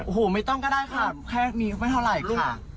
โอ้โฮไม่ต้องก็ได้ค่ะแค่นี้ไม่เท่าไรค่ะ